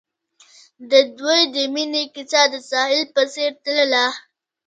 د دوی د مینې کیسه د ساحل په څېر تلله.